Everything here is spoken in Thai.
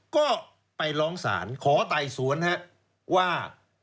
ก็ไปร้องศาลขอไต่สวนนะครับว่า